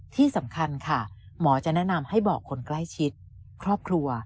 ที่สำคัญค่ะหมอจะแนะนำให้บอกคนใกล้ชิดครอบครัว